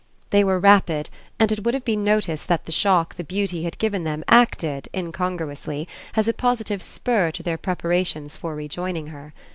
They were rapid, and it would have been noticed that the shock the beauty had given them acted, incongruously, as a positive spur to their preparations for rejoining her.